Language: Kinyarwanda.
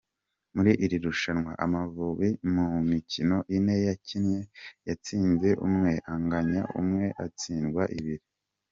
Muri irushanwa, Amavubi mu mikino ine yakinnye yatsinze umwe, anganya umwe, atsindwa ibiri.